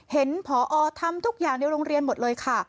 ผอทำทุกอย่างในโรงเรียนหมดเลยค่ะ